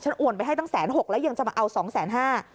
ฉันโอนไปให้ตั้ง๑๐๖๐๐๐บาทแล้วยังจะมาเอา๒๕๐๐๐๐บาท